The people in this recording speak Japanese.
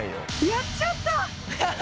やっちゃった。